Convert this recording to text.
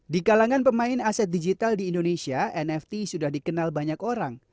di kalangan pemain aset digital di indonesia nft sudah dikenal banyak orang